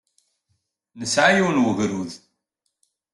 Nesɛa yiwen n wegrud.